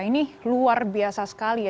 ini luar biasa sekali ya